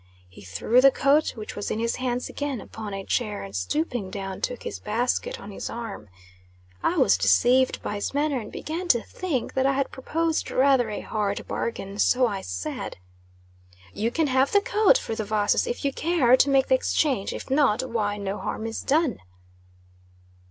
He threw the coat, which was in his hands again, upon a chair, and stooping down took his basket on his arm. I was deceived by his manner, and began to think that I had proposed rather a hard bargain; so I said "You can have the coat for the vases, if you care to make the exchange; if not, why no harm is done."